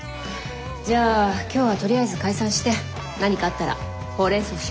じゃあ今日はとりあえず解散して何かあったらホウレンソウしようか。